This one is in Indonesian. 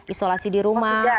isolasi di rumah